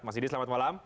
mas didi selamat malam